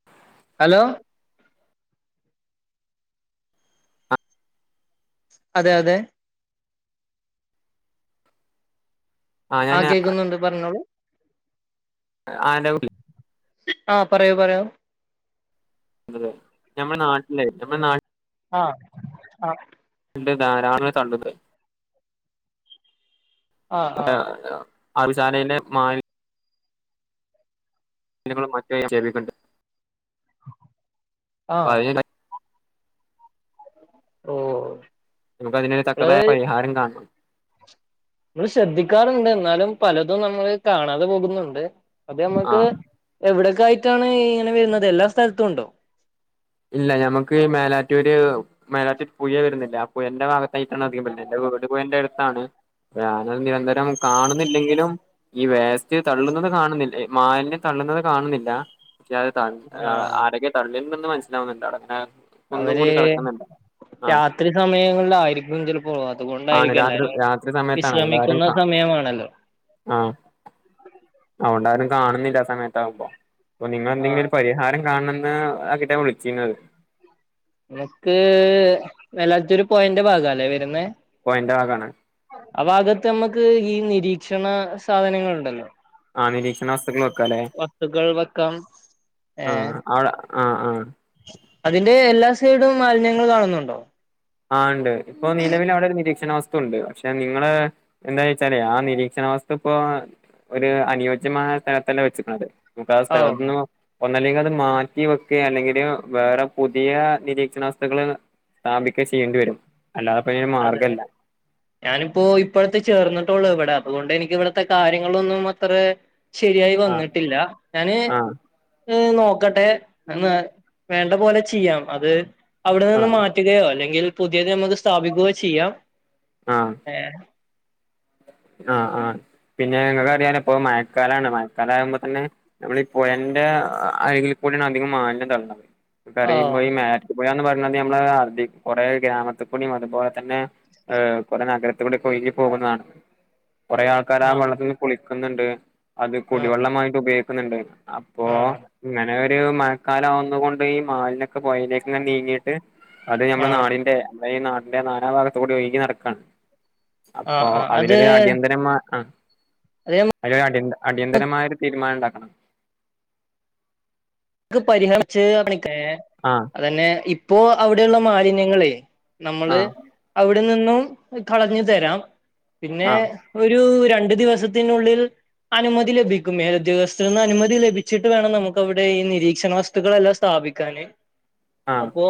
[inaudible] Hello ആഹ് അതെ അതെ ആഹ് കേൾക്കുന്നുണ്ട് പറഞ്ഞോളൂ ആരാ വിളി ആഹ് പറയൂ പറയോ അതെ ഞമ്മുടെ നാട്ടിലെ നമ്മുടെ നാട്ട ആഹ് ആഹ് ഇണ്ട് ധാരാളം [unintelligible] ആ ആ വടെ അറവ്ശാലെന്റെ മാലി ഞങ്ങളും മറ്റ് നിക്ഷേപിക്കുന്നുണ്ട് ആ അപ്പം അതിനെ പറ്റി ഓ നമുക്ക് അതിനൊരു നമ്മള് തക്കതായ പരിഹാരം കാണണം നമ്മള് ശ്രദ്ധിക്കാറുണ്ട് എന്നാലും പലതും നമ്മള് കാണാതെ പോകുന്നുണ്ട് അത് നമ്മുക്ക് ആഹ് എവിടെയൊക്കെ ആയിട്ടാണ് ഇങ്ങനെ വരുന്നത് എല്ലാ സ്ഥലത്തും ഉണ്ടോ ഇല്ല ഞമ്മക്ക്ഈ മേലാറ്റൂര് മേലാറ്റുര് പുഴ വരുന്നില്ലേ ആ പുഴന്റെ ഭാഗത്തായിട്ടാണ് അധികം വരുന്നദ് എന്റെ വീ ട് പുഴന്റെ അടുത്താണ് ഞാനത് നിരന്തരം കാണുന്നില്ലെങ്കിലും ഈ വേസ്റ്റ് തള്ളുന്നത് കാണുന്നില്ല മാലിന്യം തള്ളുന്നത് കാണുന്നില്ല പക്ഷ അത് ത ആ ആരോക്കെ തള്ളിണ്ടെന്ന് മനസ്സിലാവുന്നുണ്ടോ അവിടെ ങ്ങനെ കുന്നും കൂടി അവര് കിടക്കുന്നുണ്ട് ആഹ് രാത്രി സമയങ്ങളിലായിരിക്കും ചിലപ്പോ ആണ് അതുകൊണ്ടായിരിക്കും രാത്രി എല്ലാരും രാത്രി സമയത്താണ് അതുകൊണ്ടാരും വിശ്രമിക്കുന്ന കാ സമയമാണല്ലോ ആഹ് അഹ്കൊണ്ടാരും കാണുന്നില്ല ആ സമയത്ത് ആകുമ്പോ അപ്പം ആ നിങ്ങെളെന്തെങ്കിലും ഒരു പരിഹാരം കാണന്ന് ആ കിട്ടാൻ വിളിച്ചിരുന്നത് എനക്ക് മേലാറ്റൂരു പോഴൻ്റെ ഭാഗം ല്ലേ വരുന്നത് പോഴന്റ് ഭാഗാണ് ആ ഭാഗത്ത് നമ്മുക്ക് ഈ നിരീക്ഷണ സാധനങ്ങൾ ഉണ്ടല്ലോ ആഹ് നിരീക്ഷണ വസ്തുക്കൾ വെക്കെല്ലേ വെക്കാം ഏ ആഹ് അവിടെ ആഹ് ആഹ് അതിന്റെ എല്ലാ സൈഡും മാലിന്യങ്ങൾ കാണുന്നുണ്ടോ ആഹ് ഇണ്ട് ഇപ്പൊ നിലവിൽ അവിടെ ഒരു നിരീക്ഷണ വസ് ത്തുണ്ട് പക്ഷെ നിങ്ങള് എന്താ വച്ചാലേ ആ നിരീക്ഷണാവസ്ത്തു ഇപ്പോ ഒരു അനുയോജ്യമായ സ്ഥലത്തല്ല വെച്ചക്കന്നത് നമുക്ക് ആ ഓ സ്ഥലത്ത ന്നന്ന് ഒന്നല്ലെങ്കിൽ അത് മാറ്റി വെക്കെ അല്ലെങ്കിൽ വേറെ പുതിയ നിരീക്ഷണ വസ്തുക്കള് സ്ഥാപിക്ക ക്കെ ചെയ്യേണ്ടി വരും അല്ലാതെ ഇപ്പം ഒരു അതെ മാർഗമില്ല. [inaudible] ഞാനിപ്പോ ഇപ്പഴത്തെ ചേർന്നിട്ടുള്ളു ഇവിടെ അതുകൊണ്ട് എനിക്ക് ഇവിടത്തെ കാര്യങ്ങളൊന്നും അത്ര ശരിയായി ആഹ് വന്നിട്ടില്ല ഞാന് ആഹ് ഏഹ് നോക്കട്ടെ എന്ന വേണ്ട പോലെ ചെയ്യാം അത് അവിടെ നിന്ന് ആഹ് മാറ്റുകയോ അല്ലെങ്കിൽ പുതിയ നമ്മുക്ക് യോ ചെയ്യാം ആഹ് ഏഹ് ആഹ് ആഹ് പിന്നെ നിങ്ങക്ക് അറിയാലോ ഇപ്പൊ മഴക്കാലാണ് മഴക്കാല ആവുമ്പോ തന്നെ നമ്മൾ ഈ പുഴന്റെ അരികിൽ കൂടിയാണ് അധികം മാലിന്യ തളളുന്നത് ഴ ഓ ന്ന് പറയുന്നത് നമ്മളെ അഹ് കുറെ ഗ്രാമത്തി കൂടിഅതുപോലെ തന്നെ ഏഹ് കുറെ നഗരത്തില കൂടെ ഒക്കെ ഒഴുകി പോകുന്നതാണ്. കുറെേ ആൾക്കാര് ആഹ് വെള്ളത്തിനിന്ന് കുളിക്കുന്നുണ്ട് അത് ആഹ് കുടിവെള്ളമായിട്ട് ഉപയോഗിക്കുന്നുണ്ട്. ആഹ് ഇങ്ങനെ ഒരു മഴക്കാലം ആവുന്ന കൊണ്ട് ഈ മാലിനൊക്കെ പുഴയിലേക്ക്അങ്ങനെ നീങ്ങിട്ട് അത് ആഹ് നമ്മുടെ ആഹ് നാടിന്റെ അത് ഈ നാടിന്റെ നാനാ ഭാഗത്തുകൂടി ഒഴുകി നടക്കയാണ്. അപ്പൊ ആഹ് അത് അതിലൊരു അടിയന്തരമാ ആ അത് ഞമ്മു അതിനൊരു അടിയന്തതരമായ ഒരു തീരുമാനം ഉണ്ടാക്കണം. [unintelligible] ആഹ് അത് തന്നെ ഇപ്പോ അവിടെയുള്ള മാലിന്യങ്ങള് നമ്മള് ആഹ് അവിടെ നിന്നും കളഞ്ഞു തരാം പിന്നെ ആഹ് ഒരു രണ്ടു ദിവസത്തിനുള്ളിൽ അനുമതി ലഭിക്കും മേല ഉദ്യോഗസ്ഥരിൽ നിന്ന് അനുമതി ലഭിച്ചിട്ട് വേണം നമ്മുക്ക് അവിടെ ഈ നി നിരീക്ഷണ വസ്തുക്കളെല്ലാം സ്ഥാപിക്കാന് ആഹ് അപ്പോ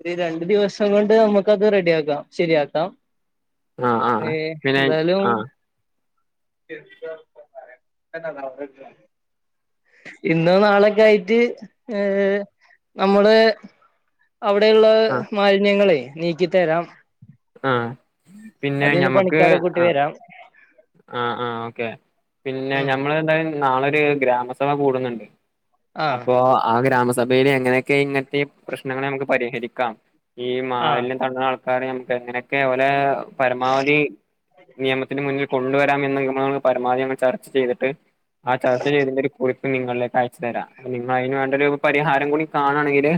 ഒരു രണ്ടു ദിവസം കൊണ്ട് നമ്മുക്കത് റെഡിയ ആക്കാം ശരിയാക്കാം. ആഹ് ആഹ് ഏഹ് പിന്നെ എന്താലും ആഹ് [unintelligible] ഇന്നോ നാളൊക്കെ ആയിട്ട് ഏഹ് നമ്മള് അവിടെയുള്ള ആഹ് മാലിന്യങ്ങളെ നീക്കി തരാം. ആഹ് പിന്നെ അതിന് ഞമ്മക്ക് പണിക്കാരെ കൂട്ടി ആഹ് വരാം ആഹ് ആഹ് ഓക്കെ പിന്നെ ഉം ഞമ്മൾ എന്തായും നാളെ ഒരു ഗ്രാമസഭ കൂടുന്നുണ്ട്. ആ അപ്പൊ ആഹ് ഗ്രാമസഭയില് എങ്ങനെയൊക്കെ ഇങ്ങനത്തെ പ്രശ്നങ്ങളെ നമ്മുക്ക് പരിഹരിക്കാം ഈ ആ മാലിന്യം തള്ളുന്ന ആൾക്കാരെ നമ്മുക്ക് എങ്ങനെയൊക്കെ ഓരെ പരമാവധി നിയമത്തിന് മുന്നിൽ കൊണ്ടുവരാമെന്ന് നിഗമനത്തിൽ പരമാവധി ചർച്ച ചെയ്തിട്ട് ആഹ് ചർച്ച ചെയ്തിന്റെ കുറി പ്പ് നിങ്ങളിലേക്ക് അയച്ചു തരാം അപ്പ നിങ്ങൾ അതിന് വേണ്ട ഒരു പരിഹാരം കൂടി കാണെങ്കില്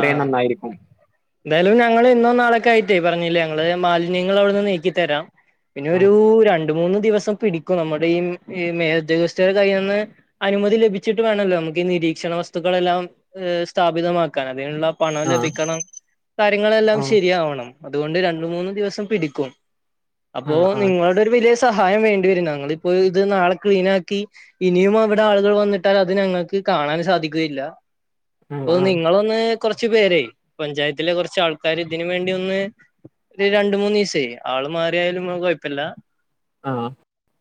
ആ എന്തായാലും ഞങ്ങൾ ഇന്നോ നാളൊക്കെ ആയിട്ടേ പറഞ്ഞില്ലേ ഞങ്ങള് മാലി ന്യങ്ങള് അവിടുന്ന് നീക്കി തരാം പിന്നെ ഒരു ആഹ് രണ്ടു മൂന്ന് ദിവസം പി ടിക്കും നമ്മുടെ ഈ മേല് ഉദ്യോഗസ്ഥരുടെ കയ്യിൽ നിന്ന് അനുമതി ലഭിച്ചിട്ട് വേണമല്ലോ നമ്മുക്ക് ഈ നിരീക്ഷണ വസ്തുക്കളെല്ലാം സ്ഥാപിതമാക്ക അതിനുള്ള പണം ആഹ് ലഭിക്കണം കാര്യങ്ങളെല്ലാം ആഹ് ശരിയാവണം. അതുകൊണ്ട് രണ്ടുമൂന്ന് ദിവസം പിടിക്കും അപ്പോ ആഹ് ആഹ് നിങ്ങളുടെ വലിയ സഹായം വേണ്ടിവരും ഞങ്ങൾ ഇപ്പോ ഇത് നാളെ ക്ലീനാക്കി ഇനിയും അവിടെ ആളുകൾ വന്നിട്ടാൽ അത് ഞങ്ങൾക്ക് കാണൻ സാധിക്കുകയില്ല ആഹ് അപ്പൊ ആഹ് നിങ്ങ നങ്ങളൊന്ന് കൊറച്ച് പേര് പഞ്ചായത്തിലെ കുറച്ച്ആൾക്കാര് ഇതിന് വേണ്ടി ഒന്ന് ഒരു രണ്ടുമൂന്ന് ദിവസെ ആള് മാറിയാലും കുഴപ്പമില്ല- ആഹ്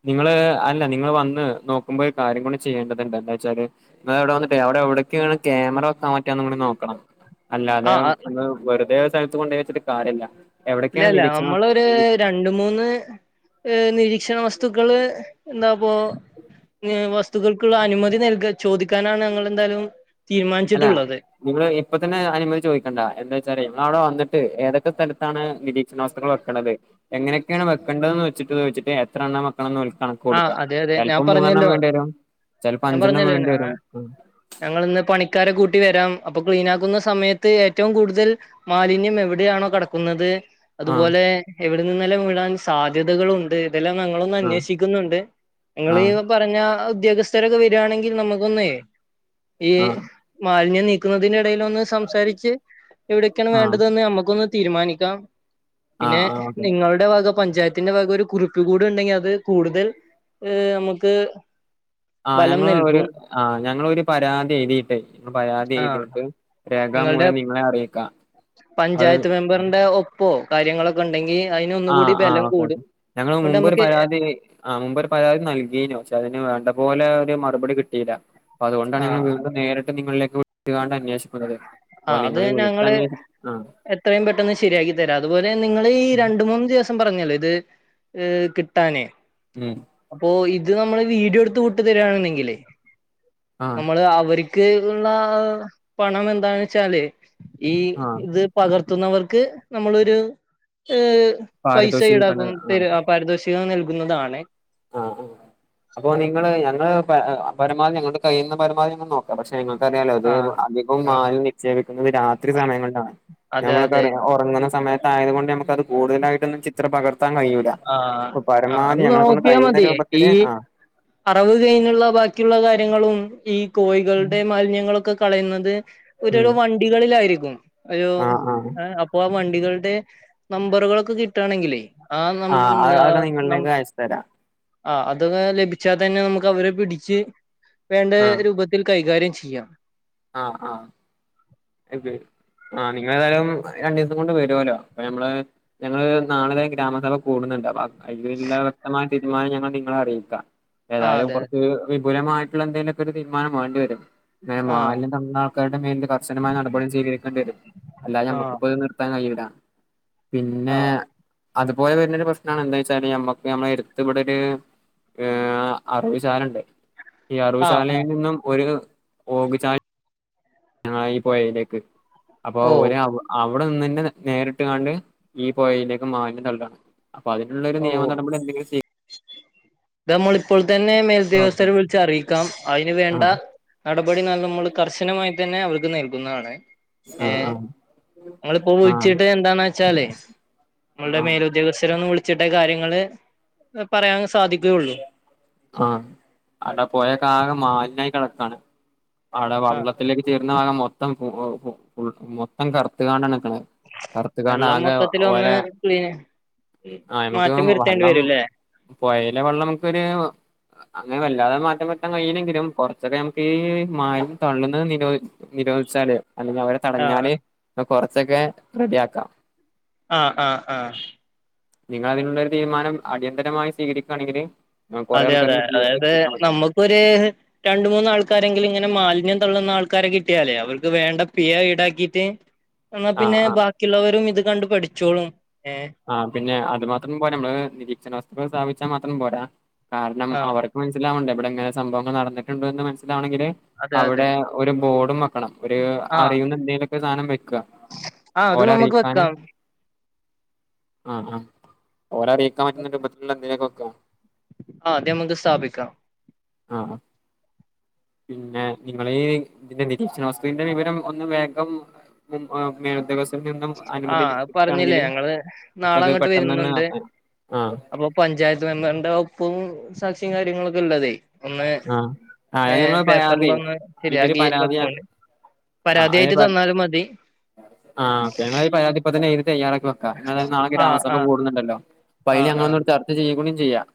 നിങ്ങള് അല്ല നിങ്ങള് വന്ന് നോക്കുമ്പോ ഒരു കാര്യം കൂടെ ചെയ്യേണ്ടതുണ്ട് എന്താ വച്ചാല് നിങ്ങവിടെ വന്നിട്ട് അവിടെ എവിടേക്കാണ് ക്യാമറ വെക്കാൻ പറ്റുക എന്ന് കൂടിനോക്കണം. അല്ല ആ അതെ ആ, ഉം ഇന്ന് വെറുതെ ഒരു സ്ഥലത്ത് കൊണ്ടോയ് വെച്ചിട്ട് കാര്യല്ല എവിടൊക്കെയാണ് ഇല്ലല നമ്മളൊര് നിരീക്ഷണം രൺ ണ്ട് മൂന്ന് ഏഹ് നിരീക്ഷണ വസ്തുക്കള് എന്താപ്പോ ഏഹ് വസ്തുക്കൾക്കുള്ള അനുമതി നൽക ചോദിക്കാനാണ് ഞങ്ങളെന്തായാലും അല്ല തീരുമാനിച്ചിട്ടുള്ളത് നിങ്ങള് ഇപ്പ തന്നെ അനുമതി ചോദിക്കണ്ട എന്തെ വെച്ചാലേ നിങ്ങളവിടെ വന്നിട്ട് ഏതൊക്കെ സ്ഥലത്താണ് നിരീ സ്നോസ്റ്ററ് വെക്ക്ണത് എങ്ങനെക്കേണ് വെക്കണ്ടത് ന്നോയ്ച്ച്ട്ട് യ്ച്ചിട്ട് എത്ര എണ്ണം വെക്കണം നോൽക്കണം ആ കൊട്ക്കാ അതെ അതെ ഞാൻ ചെൽപ്പൊ മൂന്നെണ്ണം പറഞ്ഞല്ലോ വേണ്ട്യാരും ചെൽപ്പൊ അഞ്ചെണ്ണം വേണ്ട്യാരും ഞങ്ങള് ഇന്ന് പണിക്കാരെ കൂട്ടി വരാം അപ്പൊ ക്ലീൻ ആക്കുന്ന സമയത്ത് ഏറ്റവും കൂടുതൽ മാലിന്യം എവിടെയാണൊ കടക്കുന്നത് ആഹ് അതുപോലെ എവിടെ നിന്നെല്ലാം വിടാൻ സാധ്യതകളുണ്ട് ഇതെല്ലാം ഞങ്ങളൊന്ന് ആഹ് അന്വേഷ് ഷിക്കുന്ന്ണ്ട് നിങ്ങളീ ആഹ് പറഞ്ഞ ആഹ് ഉദ്യോഗസ്ഥരൊക്ക വരാണെങ്കിൽ നമ്മുക്കൊന്നെ ഈ ആഹ് മാലിന്യം നീക്ക്ന്നതിന്റെ എടയിലൊന്ന് സംസാരിച്ച് എവിടെക്കേണ് ആഹ് വേണ്ടതൊന്ന് ഞമ്മക്കൊന്ന് തീര്മാനിക്കാം പിന്നെ ആഹ് ആഹ് ഓക്കെ നിങ്ങളുടെ വക പഞ്ചായത്തിന്റെ വക ഒരു കുറിപ്പ് കൂടുണ്ടെങ്കി അത് കൂടുതൽ ഏഹ് നമുക്ക് ആഹ് ബലം ഞങ്ങള് ഒരു നൽകും ആഹ് ഞങ്ങളൊരു പരാതി എയ്തീട്ടെ പരാതി ആഹ് എയ്തീട്ട് നിങ്ങളുടെ രേഖാമൂലം നിങ്ങളെ അറിയിക്കാം പഞ്ചായത്ത് ഭ അത് പ്പൊ കാര്യങ്ങളൊക്ക ഇണ്ടെങ്കി അയ്ന് ഒന്നുകൂടി ആഹ് ആഹ് ബലം ഓക്കെ ഓക്കെ കൂടും ഞങ്ങള് അവോണ്ട് മുമ്പൊരു നമ്മക്ക് ഏഹ് പരാതി ആഹ് മുമ്പൊരു പരാതി നൽകീനു പക്ഷെ അതിന് വേണ്ട പോലെ ഒര് മറുപടി കിട്ടീല്ല അതുകൊണ്ടാണ് ഞങ്ങൾ ആഹ് വീണ്ടും നേരിട്ട് നിങ്ങളിലേക്ക് [unintelligible] കാണ്ട് അന്വേഷിച് അതെ അപ്പൊ ആഹ് അത് നിങ്ങളെ ഞങ്ങള് വിളിക്കാന്നീ ആഹ് എത്രയും പെട്ടെന്ന് ശരിയാകി തരാം അതുപോലെ നിങ്ങളീ രണ്ട് മൂന്ന് ദിവസ് സം പറഞ്ഞല്ലൊ ഇത് ഏഹ് കിട്ടാന് ഉം അപ്പോ ഇത് നമ്മള് വീടിയോ ഇട്ത്ത് വിട്ടു തരാണെങ്കിലെ ആഹ് നമ്മള് അവര്ക് ക്ക് കുന്നാ പണം എന്താണ്ന്ന് വെച്ചാല് ഈ ആഹ് ഇത് പകർത്തുന്നവർക്ക് നമ്മളൊര് ഏഹ് പൈസ പാരിതോഷികം ഈടാക്കും കണ്ടത് ആഹ് തരും ആ പരിതോഷ് പിഴ നൽകുന്നതാണ് ആഹ് ആഹ് അപ്പോ നിങ്ങള് ഞങ്ങള് പര ങ്ങ് ആഹ് പരമാവധി ഞങ്ങളൊണ്ട് കഴിയുന്ന പരമാവധി ഞങ്ങൾ നോക്ക്‌ പക്ഷെ നിങ്ങൾക്കറിയാല്ലോ ഇത് ആഹ് അധികവും ആഹ് മാലിന്യം നിക്ഷേപിക്കുന്നത് രാത്രി സമയങ്ങളിലാണ് അതെ അതെ ഞമ്മളൊക്കറിയാ ഒറങ്ങുന്ന സമയത്തായതുകൊണ്ട് നമുക്ക് അത് കൂടുതലായിട്ടൊന്നും ചിത്രം പകർത്താൻ കഴിയൂല്ല ആഹ് ആഹ് അന്ന് നോക്ക്യാ മതി ഈ രൂപത്തില് ആ അറവ് കഴിഞ്ഞുള്ള ബാക്കിയുള്ള കാര്യങ്ങളും ഈ കോയികൾടെ മാലിന്യങ്ങളൊക്ക കളയുന്നത് ഉം ഓരൊരൊ വണ്ടികളിലായിരിക്കും ഒരു ആ ആ ഏഹ് അപ് അപ്പൊ ആഹ് വണ്ടികൾടെ നമ്പറുകളൊക്ക കിട്ടാണെങ്കിലെ ആഹ് അത് അതൊക നിങ്ങൾലേക്ക് അയച്ച് തരാം ആഹ് അതൊന്ന് ലഭിച്ചാതന്നെ നമുക്ക് അവരെ പിടിച്ച് വേണ്ടേ ആ രൂപ ത്തിൽ കൈകാര്യം ചിയ്യാം ആഹ് ആഹ് എവ്യെഡ് ആഹ് നിങ്ങളെതായാലും രണ്ടീസം കൊണ്ട് വരോലൊ അപ്പൊ നമ്മള് ഞങ്ങള് നാളെ ദേ ഗ്രാമസഭ കൂട്ന്ന്ണ്ട് അപ അയ്ല്ള്ള വ്യക്തമായ തീരുമാനം ഞങ്ങൾ നിങ്ങളെ അറി ആ അതെ വിപുലമായിട്ട്ള്ള എന്തേലൊക്ക ഒരു തീരുമാനം വേണ്ടിവരും നേമാ ആഹ് കണ്ടാൾക്കാരുടെ മേൽല് കർശനമായ നടപടി സ്വീകരിക്കണ്ടേരും അല്ലാതെ ആഹ് നമ്മക്കിപ്പൊ ഇത് നിർത്താൻ കയ്യൂല്ല പിന്നെ ആഹ് അത്പോലെ വര്ണൊരു പ്രശ്നാണ് എന്താ ച്ചാല് നമ്മക്ക് നമ്മളെ എര്ത്ത് ഇവടൊര് ഏഹ് അറവ്ശാലണ്ട് ഈ ആഹ് ആഹ് അറവ്ശാലയിൽ നിന്നും ഒര് ഓക്ചാല് ആഹ് ഈ പൊഴയിലേക്ക് അപ്പൊ ഓ ഒരവ് അവടെ നിന്ന്ന്നെ നേരിട്ട് കാണ്ട് ഈ പൊയീലേക്ക്‌ മാലിന്യം തള്ളാണ് അപ്പൊ അതിന്ള്ളൊരു നിയമ നടപടി എന്തെങ്കിലും സീ ദ മ്മളിപ്പോൾ തന്നെ മേൽദ്യോഗസ്ഥരെ ആവശ്യാണ് വിളിച്ച് അറിയിക്കാം അയ്ന് വേണ്ട. ആഹ് നടപടി ന്നർഞ്ഞ് മ്മൾ കർശനമായി തന്നെ അവർക്ക് നൽകുന്നതാണ്. ആഹ് ഏഹ് ഇങ്ങളിപ്പോ ആഹ് ആഹ് വിളിച്ചിട്ട് എന്താന്നേച്ചാല്. ഇങ്ങൾടെ ആഹ് മേലുദ്യോഗസ്ഥര ഒന്ന് വിളിച്ചിട്ടേ കാര്യങ്ങള് പറയാൻ സാധിക്കുകയുള്ളു. ആഹ് അവ്ടെ പൊയക്കാകെ മാലിന്യായി കെടക്കാണ് അവടെ ആഹ് വെള്ള ത്തിലേക്ക് ചേരുന്ന ഭാഗം മൊത്തം മൊത്തം കറുത്തുകാണ്ടാണ് നിക്കണത്. കറുത്ത്കാണ്ട് വെള്ളം ആകെ ഓല മൊത്തത്തിലൊന്ന് ക്ലീൻ ആഹ് നമുക്ക് മാറ്റം വരുത്തേണ്ടി വെള്ളം വരുംല്ലേ പൊയീലെ വെള്ളം നമുക്കൊര്. അങ്ങനെ വല്ലാതെ മാറ്റം വര്ത്താൻ കഴിയില്ലെങ്കിലും. കൊറച്ചൊക്കെ നമുക്ക് ഈ മാലി തള്ളുന്ന നിരോധി നിരോധിച്ചാല് അല്ലെങ്കിൽ അവരെ ആഹ് തടഞ്ഞാല് കൊറച്ചൊക്കെ റെഡിയാക്കാം. ആഹ് ആഹ് ആഹ് നിങ്ങൾ അതിനുള്ളരു തീരുമാനം. അടിയന്തരമായി സ്വീകരിക്കാണെങ്കില്. അതെ അതെ അതായത് നമ്മുക്കൊര്. രണ്ട് മൂന്നാൾക്കാരെങ്കിലും ഇങ്ങനെ മാലിന്യം തള്ളുന്ന ആൾക്കാരെ കിട്ടിയാലേ അവർക്ക് വേണ്ട പിയ ഈടാക്കിയിട്ട്. എന്നാൽ ആ പിന്നെ ആ ബാക്കിയുള്ളവരും ഇത് കണ്ട് പഠിച്ചോളും. ഏഹ് ആ പിന്നെ അത് മാത്രം പോരാ നമ്മള് നിരീക്ഷണ വസ്തുക്കൾ സ്ഥാപിച്ചാൽ മാത്രം പോരാ. കാരണം ആ അവർ മനസ്സിലാവണ്ടേ ഇവടെ ഇങ്ങനെ സംഭവങ്ങൾ നടന്നിട്ട്ണ്ട് എന്ന്. മനസ്സിലാവണെങ്കില് അതെ അതെ അവിടെ ഒരു ബോർഡും മ ണം ഒരു ആ അറിയുന്ന എന്തേലൊക്കെ സാനം വെക്ക ആ അത് ഓലെ നമുക്ക് അറിയിക്കാന്. വെക്കാം ആഹ് ആഹ് ഓര അറിയിക്കാൻ പറ്റ്ന്ന രൂപത്തില എന്തേലൊക്കെ വെക്ക. ആഹ് അദ് നമ്മക്ക് സ്ഥാപിക്കാം. ആഹ് ആഹ് പിന്നെ നിങ്ങള ഈ ഇതിന്റെ നിരീക്ഷണ വസ്തുന്റെ വിവരം ഒന്ന് വേഗം. ഉം മേലുദ്യോഗസ് ൽ നിന്നും ആ അനുമതി ലഭിക്കാണെങ്കിൽ പറഞ്ഞില്ലേ ഞങ്ങള് നാളെ നക്കത് അങ്ങോട്ട് പെട്ടെന്നന്നെ വരുന്നുണ്ട് ആക്ക. ആ അപ്പൊ പഞ്ചായത്ത് മെമ്പറിന്റെ ഒപ്പും സാക്ഷിം കാര്യങ്ങളൊക്കെ ഇല്ലതെ ഒന്ന് ആഹ് ആഹ് അത് ഏഹ് ഞങ്ങള് പരാതി പേപ്പർലൊന്ന് അതിന്റെ ഒരു ശരിയാക്കി പരാതി വെകൊണ്ടിം. ആഹ് അതിന്റെ പരാതിയായിട്ട് പ തന്നാലും മതി. ആഹ് ഞങ്ങളെ ഈ പരാതി. ഇപ്പ തന്നെ എയ്തി തയ്യാറാക്കി വെക്ക. ഇങ്ങള് നാളെ ആ ഗ്രാമസഭ ആ കൂടുന്നുണ്ടല്ലോ അപ്പ ആ അയ്ന് ഞങ്ങളൊന്ന് ആ ച ഇത് ചെയ്യും കുടി ചെയ്യാം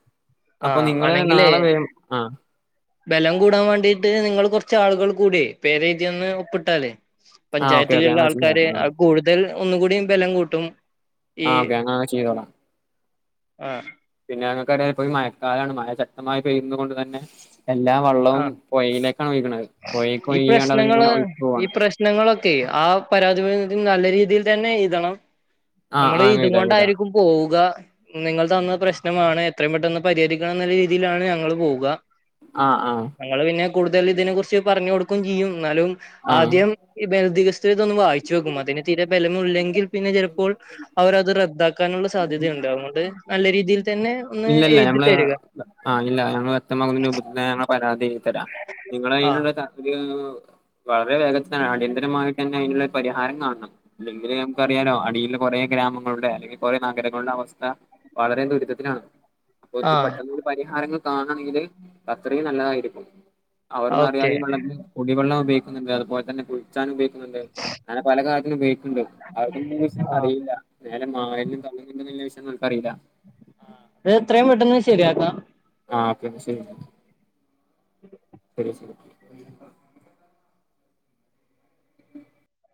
ആ അപ്പൊ നിങ്ങള് വേണെങ്കിലേ നാളെ വരും. ആ [inaudible] ബലം കൂടാൻ വേണ്ടീട്ട് നിങ്ങള് കൊർച്ച് ആളുകൾ കൂടിയ പേരെഴ്തിയന്ന് ഒപ്പിട്ടാലേ. ആഹ് ഓക്കെ ഓക്കെ പഞ്ചായത്തില്ള്ള അങ്ങനെ ചെയ്യാം ആൾക്കാര് ആഹ് അത് കൂടുതൽ ഒന്നുകൂടിം ബലം കൂട്ടും. ഈ ആ ഓക്കെ ഞങ്ങള് അങ്ങനെ ചെയ്തോളാം. ആഹ് പിന്നെ ങ്ങക്കറിയാ എപ്പഴും മഴക്കാലാണ് മഴ ശക്തമായി പെയ്യുന്ന കൊണ്ട് തന്നെ. എല്ലാ ആ വള്ളവും പൊഴയിലേക്കാണ് ഒഴ്ക്ണത് പൊഴേക്ക് ഒഴ്കിക്കാണ്ട് അത്ങ്ങനെ ഒഴിച്ച് പോവാണ്. നിങ്ങളൊക്കെ ആ പരാതി വഴി നല്ല രീതിയിൽ തന്നെ എഴ്തണം. ആഹ് നമ്മള് ആഹ് ഇത് വീതാ വീതാ കൊണ്ടായിരിക്കും. പോവുക നിങ്ങൾ തന്ന പ്രശ്നമാണ്. എത്രയും പെട്ടെന്ന് പരിഹരിക്കണം എന്നുള്ള രീതിയിലാണ് ഞങ്ങൾ പോവുക. ആഹ് ആഹ് ങ്ങള് പിന്നെ കൂടുതൽ ഇതിനെ കുർച്ച് പറഞ്ഞു കൊടുക്കും ചെയ്യും. ന്നാലും ആഹ് ആദ്യം [unintelligible] ച് തൊന്ന് വായിച്ച് നോക്കും അതിന് തീരെ ബലമില്ലെങ്കിൽ പിന്നെ ചെലപ്പോൾ. അവരത് റദ്ദാക്കാനുള്ള സാധ്യതയുണ്ട്. അത്കൊണ്ട് നല്ല രീതിയിൽ തന്നെ ഒന്ന് ഇല്ല ഇല്ല എഴുതി ഞമ്മള്. തരിക ആ ഇല്ല ഞങ്ങൾ വ്യക്തമാവുന്ന രൂപത്തിൽ ഞങ്ങളെ പരാതിയെയ്തി എഴുതി തരാം. നിങ്ങളെ ആഹ് കയ്യിലുള്ള [unintelligible] വളരെ വേഗത്തിലാണ് അടിയന്തരമായിട്ടന്നെ അയ്നുള്ള പരിഹാരം കാണണം. അല്ലെങ്കില് നമുക്കറിയാലോ അടിയിലെ കൊറേ ഗ്രാമങ്ങളുടെ അല്ലെങ്കിൽ കൊറേ നഗരങ്ങളുടെ അവസ്ഥ. വളരെ ദുരിതത്തിലാണ്. പൊ ആഹ് പെട്ടെന്നരു പരിഹാരങ്ങൾ കാണണെങ്കില് അത്രയും നല്ലതായിരിക്കും. ഓക്കെ അവരൊന്നറിയാതെ ഇവെള്ളത്തി കുടിവെള്ളം ഉപയോഗിക്കുന്നുണ്ട് അതുപോലെതന്നെ കുളിച്ചാൻ ഉപയോഗി ക്കുന്നുണ്ട് അങ്ങനെ പല കാരൃത്തിലും ഉപയോഗിക്കണ്ട് അവർക്കൊന്നും ഈ വിഷയങ്ങൾ ആഹ് അറിയില്ല നേരെ മായെങ്ങും തങ്ങുന്നുണ്ടെന്ന വിഷയം നമുക്കറിയില്ല ഇത് എത്രയും പെട്ടെന്ന് ശരിയാക്കണം [unintelligible] [inaudible]